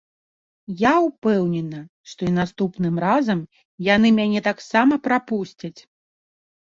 Я ўпэўнена, што і наступным разам яны мяне таксама прапусцяць.